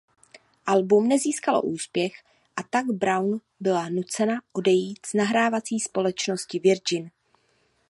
Album nezískalo úspěch a tak Brown byla nucena odejít z nahrávací společnosti Virgin.